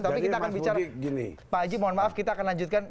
pak haji mohon maaf kita akan lanjutkan